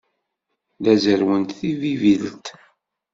La zerrwent Tibibelt.